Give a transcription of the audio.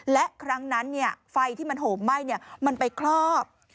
และครั้งนั้นไฟที่มันโหมไหม้มันไปครอบ